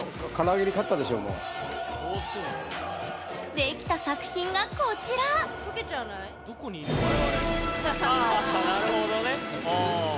できた作品がこちらあなるほどね。